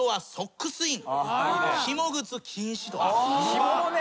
ひももね。